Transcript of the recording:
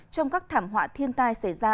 trong các thảm họa thiên tai xảy ra